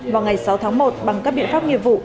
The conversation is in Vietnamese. vào ngày sáu tháng một bằng các biện pháp nghiệp vụ